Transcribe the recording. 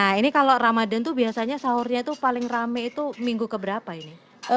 nah ini kalau ramadan tuh biasanya sahurnya itu paling rame itu minggu keberapa ini